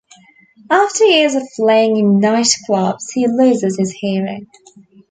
After years of playing in night-clubs he loses his hearing.